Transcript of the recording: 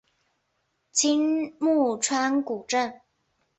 青木川古镇